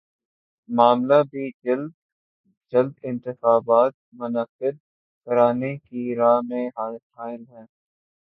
معاملہ بھی جلد انتخابات منعقد کرانے کی راہ میں حائل ہے